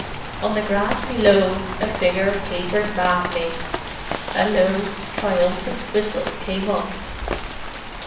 On the grass below a figure capered madly. A low, triumphant whistle came up.